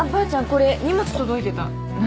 これ荷物届いてた何？